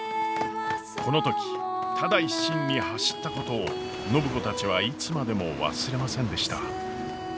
この時ただ一心に走ったことを暢子たちはいつまでも忘れませんでした。